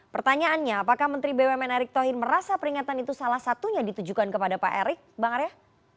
pertanyaannya apakah menteri bumn erick thohir merasa peringatan itu salah satunya ditujukan kepada pak erik bang arya